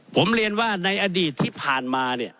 ผมเรียนว่าในอดีตที่ผ่านมาเนี่ย